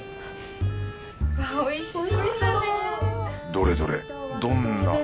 どれどれどんな